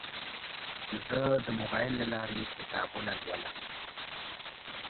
زه د موبایل له لارې کتابونه لولم.